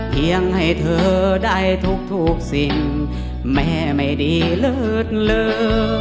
เพียงให้เธอได้ทุกสิ่งแม้ไม่ดีหลืดหลือ